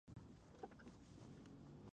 له ډېرو ماشومانو څخه ناز ورکول یو لامل دی.